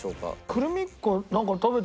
クルミッ子